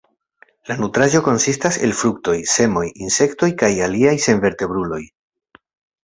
La nutraĵo konsistas el fruktoj, semoj, insektoj kaj aliaj senvertebruloj.